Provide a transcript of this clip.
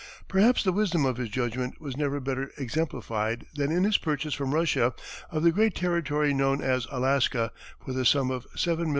Perhaps the wisdom of his judgment was never better exemplified than in his purchase from Russia of the great territory known as Alaska, for the sum of $7,200,000.